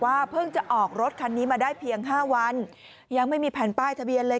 เพิ่งจะออกรถคันนี้มาได้เพียง๕วันยังไม่มีแผ่นป้ายทะเบียนเลย